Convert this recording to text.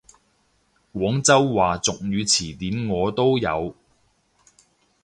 廣州話俗語詞典我都有！